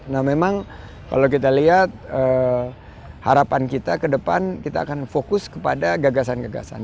nah memang kalau kita lihat harapan kita ke depan kita akan fokus kepada gagasan gagasan